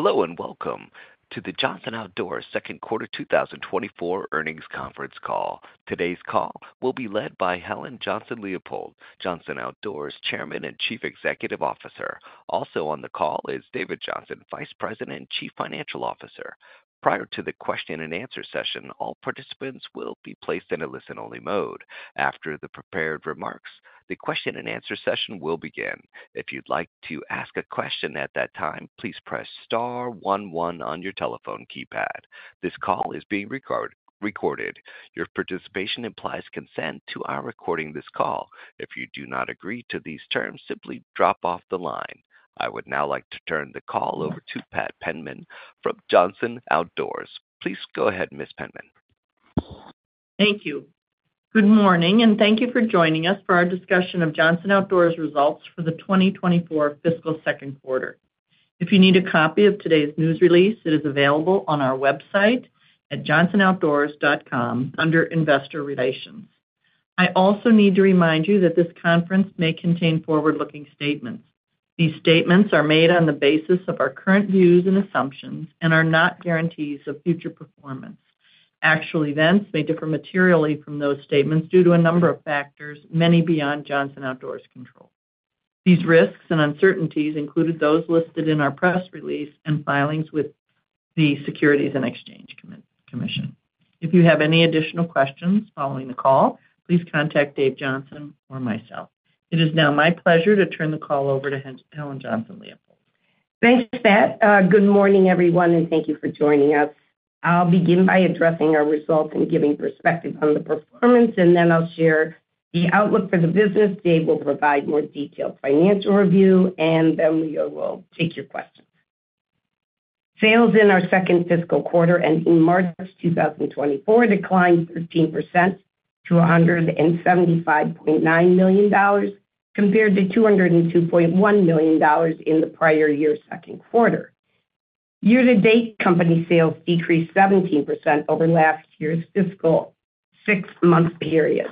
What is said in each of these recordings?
Hello and welcome to the Johnson Outdoors Q2 2024 earnings conference call. Today's call will be led by Helen Johnson-Leipold, Johnson Outdoors Chairman and Chief Executive Officer. Also on the call is David Johnson, Vice President and Chief Financial Officer. Prior to the question-and-answer session, all participants will be placed in a listen-only mode. After the prepared remarks, the question-and-answer session will begin. If you'd like to ask a question at that time, please press star 11 on your telephone keypad. This call is being recorded. Your participation implies consent to our recording this call. If you do not agree to these terms, simply drop off the line. I would now like to turn the call over to Patricia Penman from Johnson Outdoors. Please go ahead, Ms. Penman. Thank you. Good morning, and thank you for joining us for our discussion of Johnson Outdoors' results for the 2024 fiscal Q2. If you need a copy of today's news release, it is available on our website at JohnsonOutdoors.com under Investor Relations. I also need to remind you that this conference may contain forward-looking statements. These statements are made on the basis of our current views and assumptions and are not guarantees of future performance. Actual events may differ materially from those statements due to a number of factors, many beyond Johnson Outdoors' control. These risks and uncertainties included those listed in our press release and filings with the Securities and Exchange Commission. If you have any additional questions following the call, please contact Dave Johnson or myself. It is now my pleasure to turn the call over to Helen Johnson-Leipold. Thanks, Patricia. Good morning, everyone, and thank you for joining us. I'll begin by addressing our results and giving perspective on the performance, and then I'll share the outlook for the business. Dave will provide more detailed financial review, and then we will take your questions. Sales in our second fiscal quarter ending March 2024 declined 13% to $175.9 million compared to $202.1 million in the prior year's Q2. Year-to-date, company sales decreased 17% over last year's fiscal six-month period.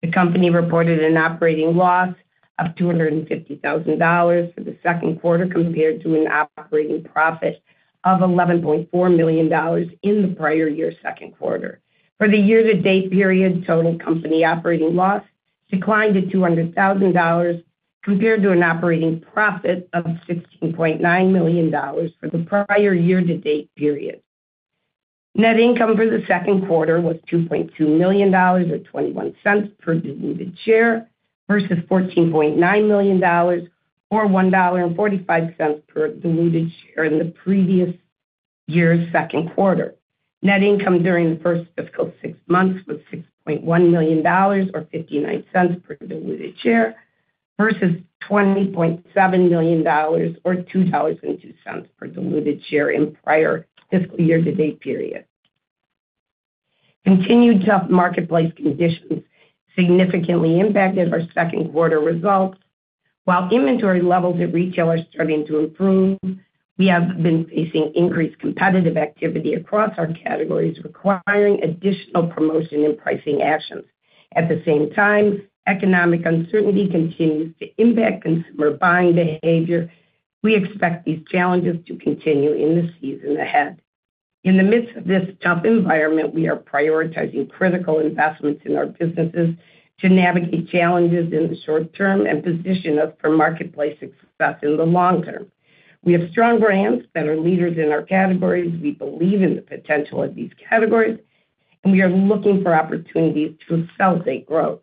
The company reported an operating loss of $250,000 for the Q2 compared to an operating profit of $11.4 million in the prior year's Q2. For the year-to-date period, total company operating loss declined to $200,000 compared to an operating profit of $16.9 million for the prior year-to-date period. Net income for the Q2 was $2.2 million or $0.21 per diluted share versus $14.9 million or $1.45 per diluted share in the previous year's Q2. Net income during the first fiscal six months was $6.1 million or $0.59 per diluted share versus $20.7 million or $2.02 per diluted share in prior fiscal year-to-date period. Continued tough marketplace conditions significantly impacted our Q2 results. While inventory levels at retail are starting to improve, we have been facing increased competitive activity across our categories, requiring additional promotion and pricing actions. At the same time, economic uncertainty continues to impact consumer buying behavior. We expect these challenges to continue in the season ahead. In the midst of this tough environment, we are prioritizing critical investments in our businesses to navigate challenges in the short term and position us for marketplace success in the long term. We have strong brands that are leaders in our categories. We believe in the potential of these categories, and we are looking for opportunities to accelerate growth.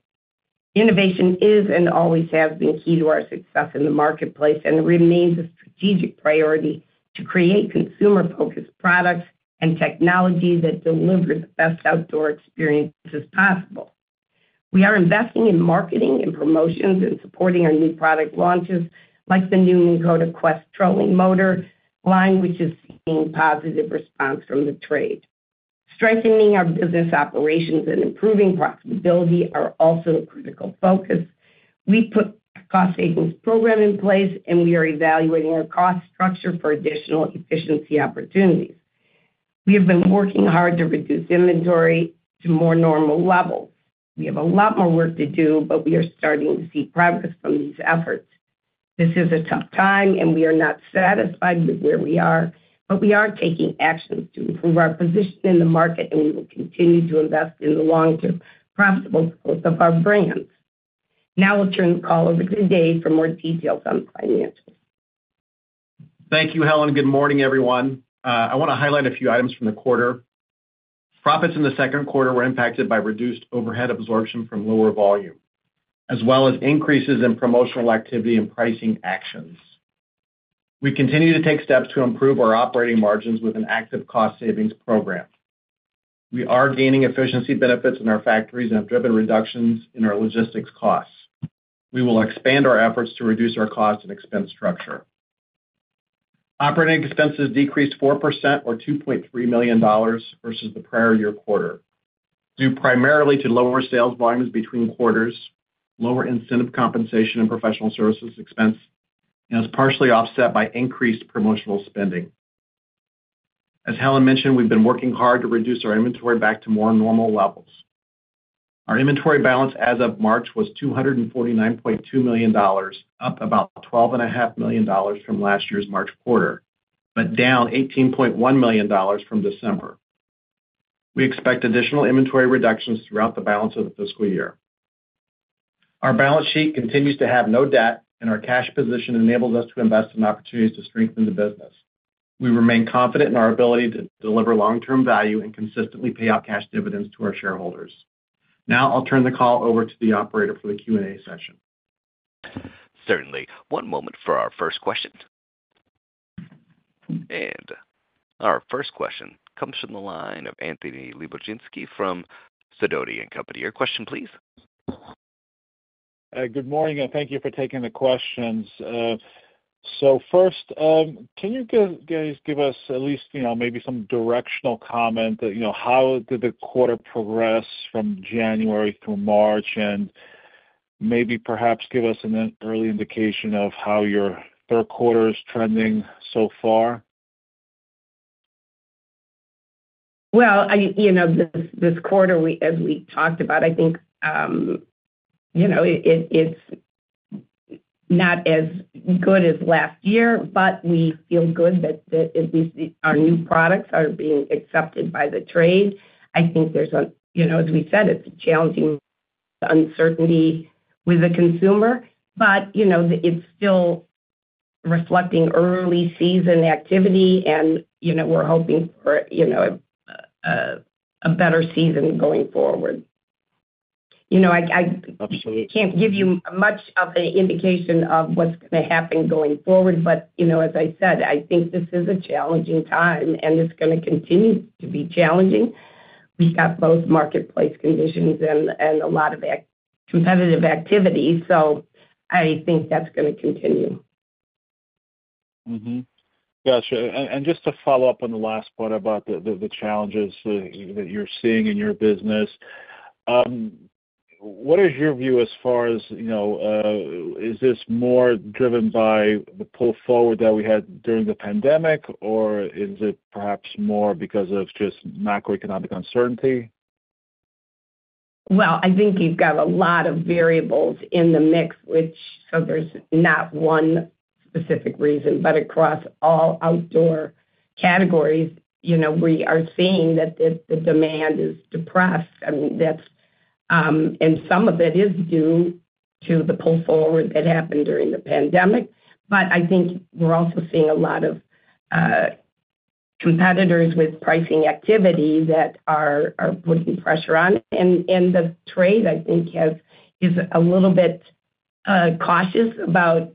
Innovation is and always has been key to our success in the marketplace and remains a strategic priority to create consumer-focused products and technology that deliver the best outdoor experiences possible. We are investing in marketing and promotions and supporting our new product launches like the new Minn Kota Quest trolling motor line, which is seeing positive response from the trade. Strengthening our business operations and improving profitability are also a critical focus. We put a cost-savings program in place, and we are evaluating our cost structure for additional efficiency opportunities. We have been working hard to reduce inventory to more normal levels. We have a lot more work to do, but we are starting to see progress from these efforts. This is a tough time, and we are not satisfied with where we are, but we are taking actions to improve our position in the market, and we will continue to invest in the long-term profitable growth of our brands. Now I'll turn the call over to Dave for more details on financials. Thank you, Helen. Good morning, everyone. I want to highlight a few items from the quarter. Profits in the Q2 were impacted by reduced overhead absorption from lower volume, as well as increases in promotional activity and pricing actions. We continue to take steps to improve our operating margins with an active cost-savings program. We are gaining efficiency benefits in our factories and have driven reductions in our logistics costs. We will expand our efforts to reduce our cost and expense structure. Operating expenses decreased 4% or $2.3 million versus the prior year quarter, due primarily to lower sales volumes between quarters, lower incentive compensation and professional services expense, and is partially offset by increased promotional spending. As Helen mentioned, we've been working hard to reduce our inventory back to more normal levels. Our inventory balance as of March was $249.2 million, up about $12.5 million from last year's March quarter, but down $18.1 million from December. We expect additional inventory reductions throughout the balance of the fiscal year. Our balance sheet continues to have no debt, and our cash position enables us to invest in opportunities to strengthen the business. We remain confident in our ability to deliver long-term value and consistently pay out cash dividends to our shareholders. Now I'll turn the call over to the operator for the Q&A session. Certainly. One moment for our first question. Our first question comes from the line of Anthony Lebiedzinski from Sidoti and Company. Your question, please. Good morning, and thank you for taking the questions. So first, can you guys give us at least maybe some directional comment? How did the quarter progress from January through March, and maybe perhaps give us an early indication of how your Q3 is trending so far? Well, this quarter, as we talked about, I think it's not as good as last year, but we feel good that at least our new products are being accepted by the trade. I think there's, as we said, a challenging uncertainty with the consumer, but it's still reflecting early season activity, and we're hoping for a better season going forward. I can't give you much of an indication of what's going to happen going forward, but as I said, I think this is a challenging time, and it's going to continue to be challenging. We've got both marketplace conditions and a lot of competitive activity, so I think that's going to continue. Gotcha. Just to follow up on the last part about the challenges that you're seeing in your business, what is your view as far as is this more driven by the pull forward that we had during the pandemic, or is it perhaps more because of just macroeconomic uncertainty? Well, I think you've got a lot of variables in the mix, so there's not one specific reason. But across all outdoor categories, we are seeing that the demand is depressed. And some of it is due to the pull forward that happened during the pandemic. But I think we're also seeing a lot of competitors with pricing activity that are putting pressure on. And the trade, I think, is a little bit cautious about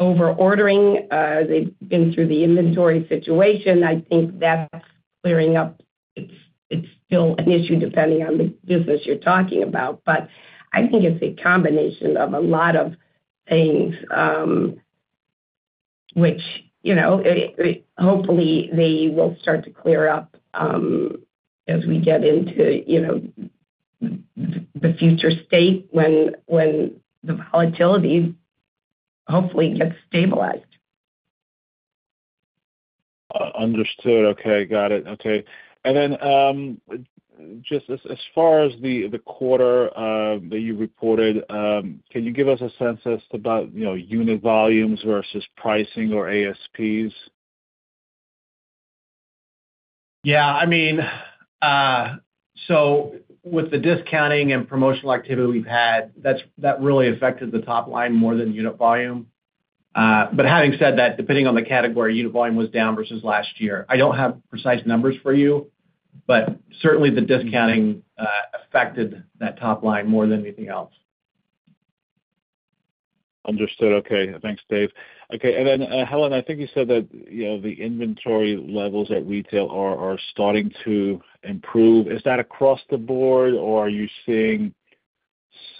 overordering. They've been through the inventory situation. I think that's clearing up. It's still an issue depending on the business you're talking about, but I think it's a combination of a lot of things, which hopefully they will start to clear up as we get into the future state when the volatility hopefully gets stabilized. Understood. Okay. Got it. Okay. And then just as far as the quarter that you reported, can you give us a sense as to about unit volumes versus pricing or ASPs? Yeah. I mean, so with the discounting and promotional activity we've had, that really affected the top line more than unit volume. But having said that, depending on the category, unit volume was down versus last year. I don't have precise numbers for you, but certainly the discounting affected that top line more than anything else. Understood. Okay. Thanks, Dave. Okay. And then, Helen, I think you said that the inventory levels at retail are starting to improve. Is that across the board, or are you seeing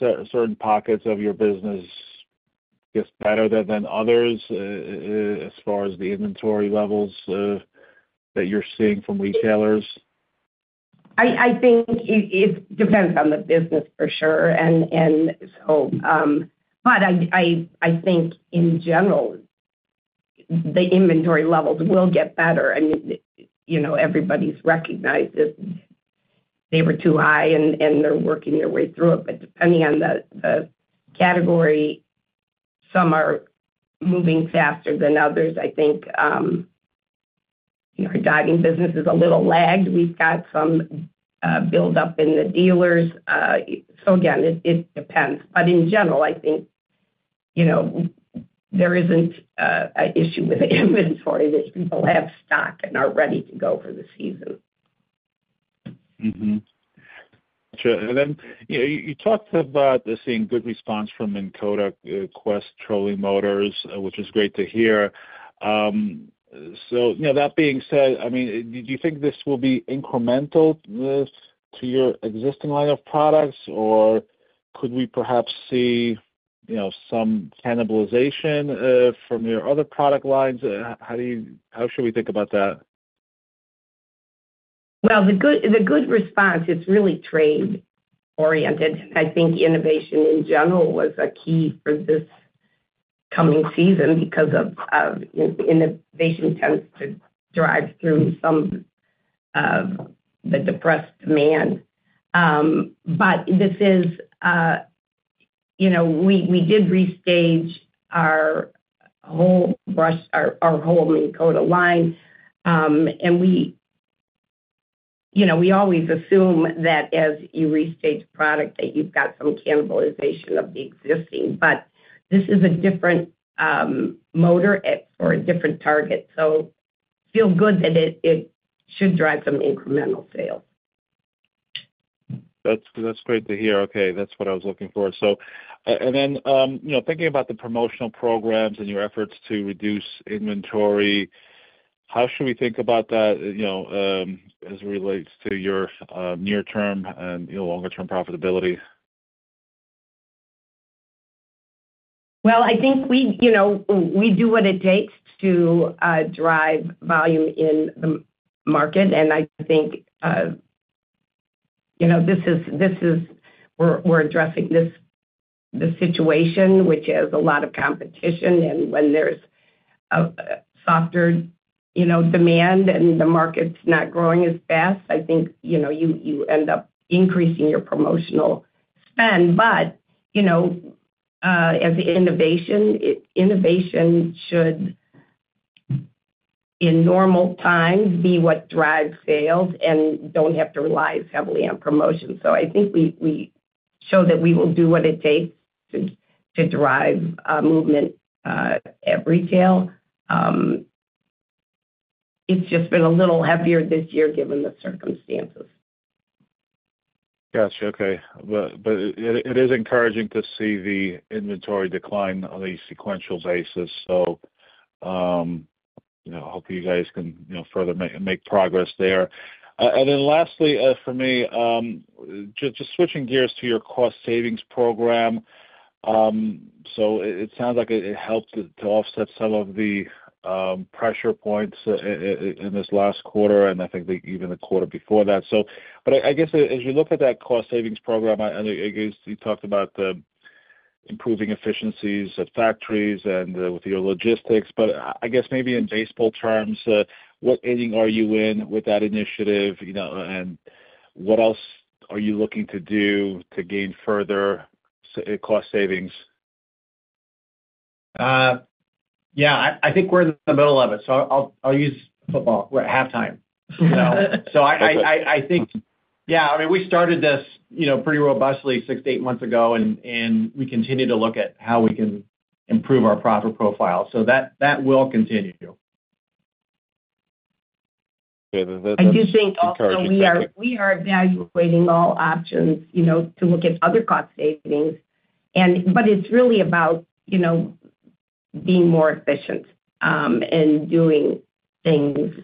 certain pockets of your business get better than others as far as the inventory levels that you're seeing from retailers? I think it depends on the business, for sure, and so. But I think, in general, the inventory levels will get better. I mean, everybody's recognized that they were too high, and they're working their way through it. But depending on the category, some are moving faster than others. I think our diving business is a little lagged. We've got some buildup in the dealers. So again, it depends. But in general, I think there isn't an issue with inventory that people have stock and are ready to go for the season. Gotcha. And then you talked about seeing good response from Minn Kota Quest trolling motors, which is great to hear. So that being said, I mean, do you think this will be incremental to your existing line of products, or could we perhaps see some cannibalization from your other product lines? How should we think about that? Well, the good response, it's really trade-oriented. I think innovation, in general, was a key for this coming season because innovation tends to drive through some of the depressed demand. But this is we did restage our whole Minn Kota line, and we always assume that as you restage product, that you've got some cannibalization of the existing. But this is a different motor for a different target, so feel good that it should drive some incremental sales. That's great to hear. Okay. That's what I was looking for. And then thinking about the promotional programs and your efforts to reduce inventory, how should we think about that as it relates to your near-term and longer-term profitability? Well, I think we do what it takes to drive volume in the market, and I think this is, we're addressing this situation, which has a lot of competition. When there's softer demand and the market's not growing as fast, I think you end up increasing your promotional spend. But, as innovation, innovation should, in normal times, be what drives sales and don't have to rely heavily on promotion. So I think we show that we will do what it takes to drive movement at retail. It's just been a little heavier this year given the circumstances. Gotcha. Okay. But it is encouraging to see the inventory decline on a sequential basis, so hope you guys can further make progress there. And then lastly, for me, just switching gears to your cost-savings program. So it sounds like it helped to offset some of the pressure points in this last quarter, and I think even the quarter before that. But I guess as you look at that cost-savings program, I guess you talked about improving efficiencies at factories and with your logistics. But I guess maybe in baseball terms, what inning are you in with that initiative, and what else are you looking to do to gain further cost savings? Yeah. I think we're in the middle of it, so I'll use football. We're at halftime. So I think, yeah, I mean, we started this pretty robustly 6-8 months ago, and we continue to look at how we can improve our profit profile. So that will continue. I do think also we are evaluating all options to look at other cost savings, but it's really about being more efficient and doing things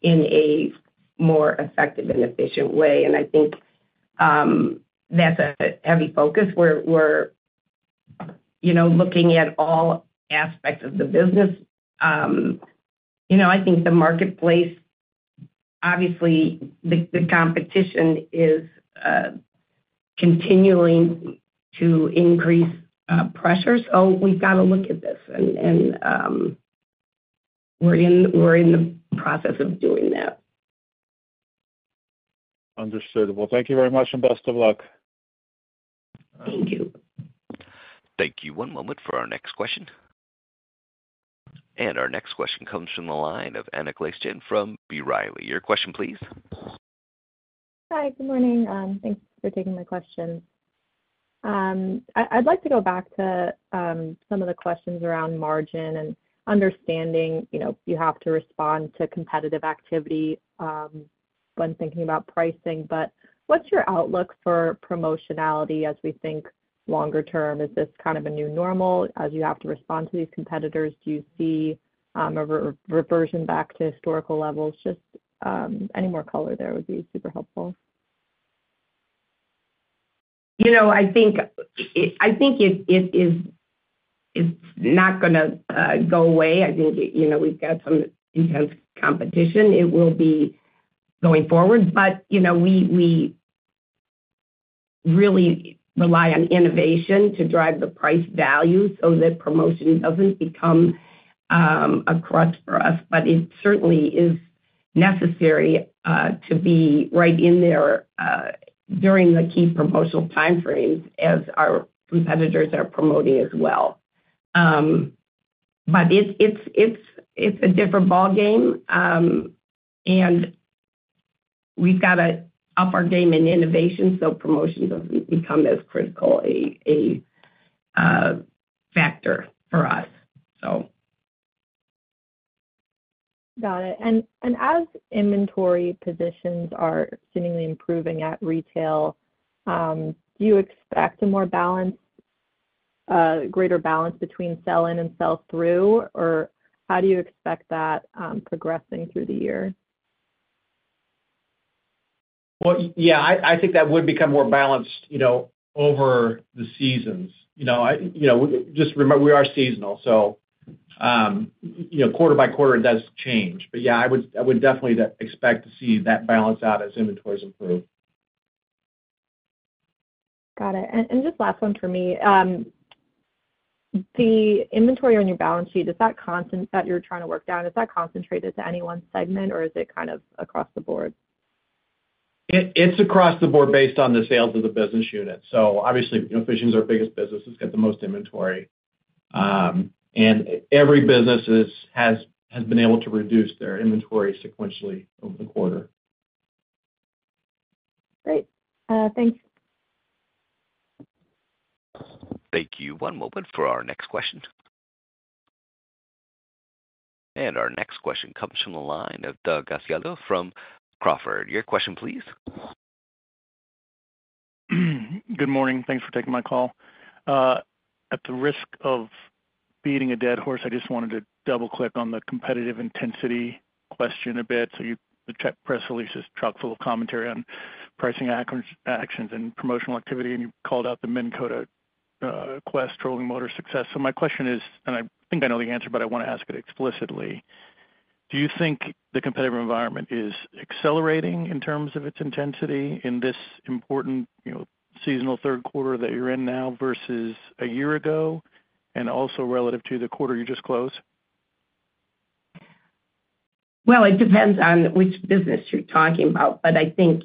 in a more effective and efficient way. I think that's a heavy focus. We're looking at all aspects of the business. I think the marketplace, obviously, the competition is continuing to increase pressure, so we've got to look at this, and we're in the process of doing that. Understood. Well, thank you very much and best of luck. Thank you. Thank you. One moment for our next question. Our next question comes from the line of Anna Glaessgen from B. Riley. Your question, please. Hi. Good morning. Thanks for taking my question. I'd like to go back to some of the questions around margin and understanding you have to respond to competitive activity when thinking about pricing. But what's your outlook for promotionality as we think longer-term? Is this kind of a new normal as you have to respond to these competitors? Do you see a reversion back to historical levels? Just any more color there would be super helpful. I think it's not going to go away. I think we've got some intense competition. It will be going forward, but we really rely on innovation to drive the price value so that promotion doesn't become a crutch for us. But it certainly is necessary to be right in there during the key promotional timeframes as our competitors are promoting as well. But it's a different ballgame, and we've got to up our game in innovation so promotion doesn't become as critical a factor for us, so. Got it. As inventory positions are seemingly improving at retail, do you expect a greater balance between sell-in and sell-through, or how do you expect that progressing through the year? Well, yeah, I think that would become more balanced over the seasons. Just remember, we are seasonal, so quarter by quarter, it does change. But yeah, I would definitely expect to see that balance out as inventories improve. Got it. And just last one for me. The inventory on your balance sheet, that you're trying to work down, is that concentrated to any one segment, or is it kind of across the board? It's across the board based on the sales of the business unit. Obviously, Fishing's our biggest business. It's got the most inventory. Every business has been able to reduce their inventory sequentially over the quarter. Great. Thanks. Thank you. One moment for our next question. Our next question comes from the line of Doug Asiello from Crawford. Your question, please. Good morning. Thanks for taking my call. At the risk of beating a dead horse, I just wanted to double-click on the competitive intensity question a bit. So the press release is chock-full of commentary on pricing actions and promotional activity, and you called out the Minn Kota Quest trolling motor success. So my question is, and I think I know the answer, but I want to ask it explicitly. Do you think the competitive environment is accelerating in terms of its intensity in this important seasonal Q3 that you're in now versus a year ago and also relative to the quarter you just closed? Well, it depends on which business you're talking about, but I think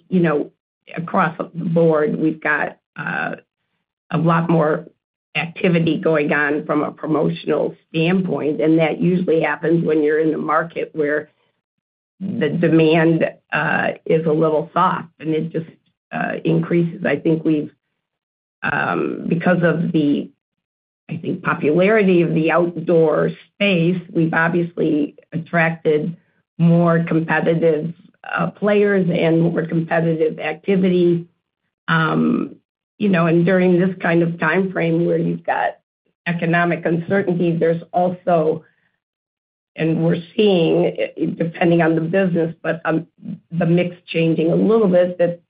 across the board, we've got a lot more activity going on from a promotional standpoint, and that usually happens when you're in the market where the demand is a little soft and it just increases. I think because of the, I think, popularity of the outdoor space, we've obviously attracted more competitive players and more competitive activity. And during this kind of timeframe where you've got economic uncertainty, there's also, and we're seeing, depending on the business, but the mix changing a little bit that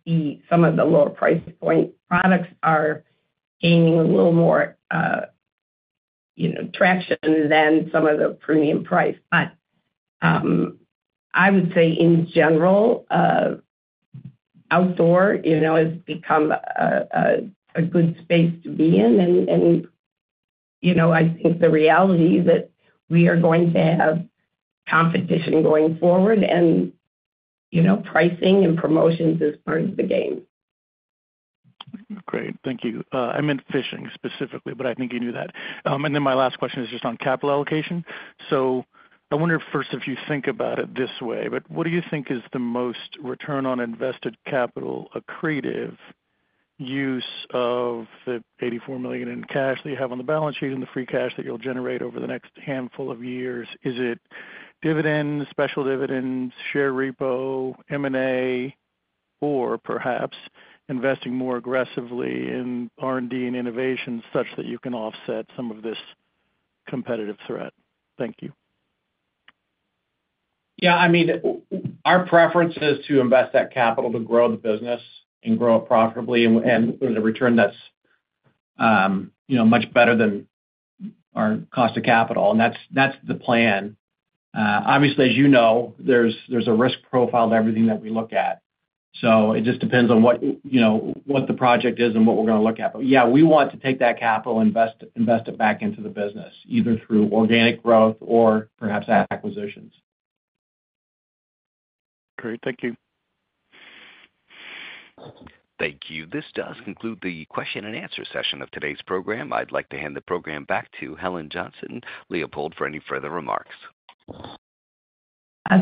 some of the lower price point products are gaining a little more traction than some of the premium price. But I would say, in general, outdoor has become a good space to be in, and I think the reality is that we are going to have competition going forward, and pricing and promotions is part of the game. Great. Thank you. I'm in Fishing specifically, but I think you knew that. And then my last question is just on capital allocation. So I wonder first if you think about it this way, but what do you think is the most return on invested capital accretive use of the $84 million in cash that you have on the balance sheet and the free cash that you'll generate over the next handful of years? Is it dividends, special dividends, share repo, M&A, or perhaps investing more aggressively in R&D and innovation such that you can offset some of this competitive threat? Thank you. Yeah. I mean, our preference is to invest that capital to grow the business and grow it profitably and put it in a return that's much better than our cost of capital, and that's the plan. Obviously, as you know, there's a risk profile to everything that we look at. So it just depends on what the project is and what we're going to look at. But yeah, we want to take that capital, invest it back into the business either through organic growth or perhaps acquisitions. Great. Thank you. Thank you. This does conclude the question-and-answer session of today's program. I'd like to hand the program back to Helen Johnson-Leipold for any further remarks.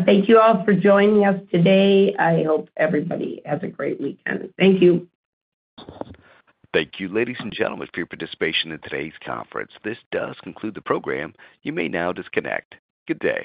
Thank you all for joining us today. I hope everybody has a great weekend. Thank you. Thank you, ladies and gentlemen, for your participation in today's conference. This does conclude the program. You may now disconnect. Good day.